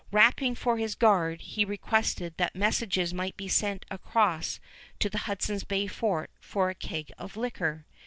Rapping for his guard, he requested that messengers might be sent across to the Hudson's Bay fort for a keg of liquor.